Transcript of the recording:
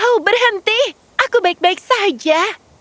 oh berhenti aku baik baik saja